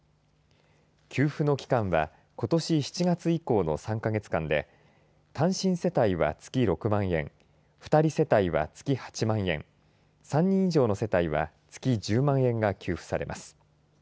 給付の期間はことし７月以降の３か月間で単身世代は月６万円２人世帯は月８万円３人以上の世帯は月１０万円が給付されます。